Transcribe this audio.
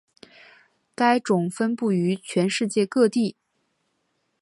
该种分布于全世界各地。